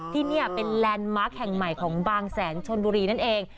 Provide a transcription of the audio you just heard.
ที่นี่เป็นแลนด์มาร์คแห่งใหม่ของบางแสนชนบุรีนั่นเอง